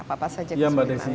apa saja kesulitan